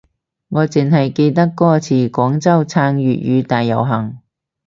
我淨係記得歌詞廣州撐粵語大遊行